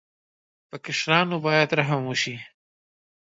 په کشرانو باید رحم وشي.